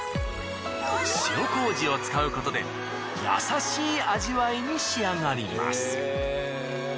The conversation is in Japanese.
塩麹を使うことで優しい味わいに仕上がります。